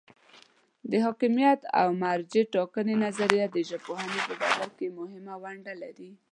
د حاکمیت او مرجع ټاکنې نظریه د ژبپوهنې په ډګر کې مهمه ونډه لري.